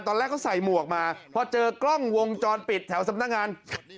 ตอนแรกเขาใส่หมวกมาพอเจอกล้องวงจรปิดแถวสำนักงาน